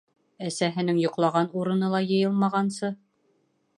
Әсәһенең йоҡлаған урыны ла йыйылмағансы.